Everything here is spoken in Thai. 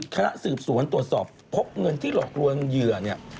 คณะสืบสวนตรวจสอบพบเงินที่หลอกลวงเหยื่อเนี่ย